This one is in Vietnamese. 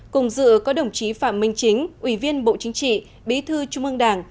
cùng dự có đồng chí phạm minh chính ủy viên bộ chính trị bí thư trung ương đảng